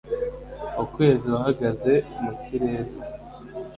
Ukwezi wahagaze mu kirere